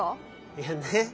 いやね。